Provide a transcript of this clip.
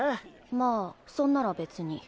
まあそんなら別に。